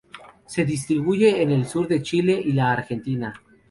Se distribuye en el sur de Chile y la Argentina.